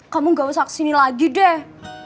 kamu gak usah kesini lagi deh